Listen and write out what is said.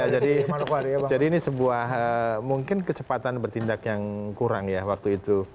jadi ini sebuah mungkin kecepatan bertindak yang kurang ya waktu itu